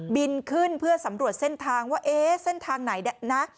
บินขึ้นเพื่อสำรวจเส้นทางว่าเอ๊ะเส้นทางไหนนะ